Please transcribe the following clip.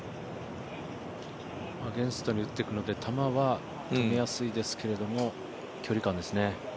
アゲンストに打っていくので、球は伸びやすいですけど、距離感ですね。